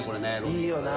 いいよな。